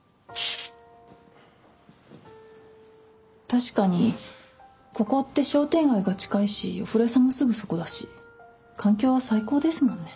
確かにここって商店街が近いしお風呂屋さんもすぐそこだし環境は最高ですもんね。